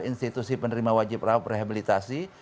institusi penerima wajib rawat rehabilitasi